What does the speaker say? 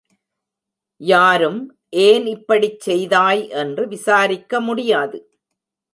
யாரும் ஏன் இப்படிச் செய்தாய் என்று விசாரிக்க முடியாது.